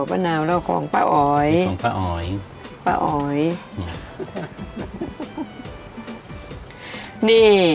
ครับผม